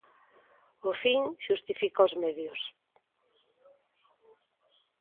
O fin xustifica os medios.